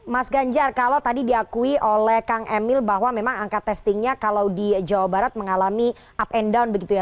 mas ganjar kalau tadi diakui oleh kang emil bahwa memang angka testingnya kalau di jawa barat mengalami up and down begitu ya